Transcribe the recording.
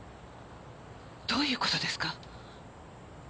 どういう事ですか？